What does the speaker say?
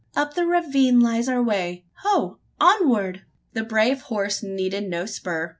Up the ravine lies our way. Ho! onward!" The brave horse needed no spur.